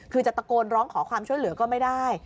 คือจะตะโกนร้องขอความช่วยเหลือก็ไม่ได้